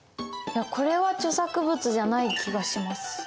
これは著作物じゃない気がします。